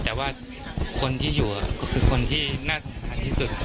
แต่ว่าคนที่อยู่คือคนที่น่าสำคัญที่สุด